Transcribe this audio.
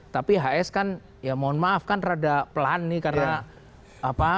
tapi hs kan ya mohon maaf kan rada pelan nih karena apa